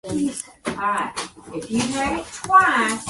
But tell me, is it a civilized country?